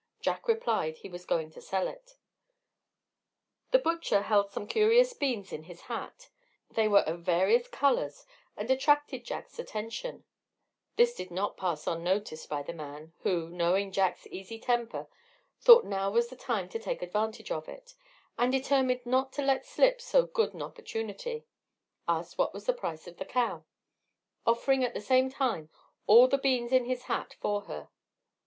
Jack replied, he was going to sell it. The butcher held some curious beans in his hat; they were of various colors, and attracted Jack's attention; this did not pass unnoticed by the man, who, knowing Jack's easy temper, thought now was the time to take an advantage of it; and, determined not to let slip so good an opportunity, asked what was the price of the cow, offering at the same time all the beans in his hat for her.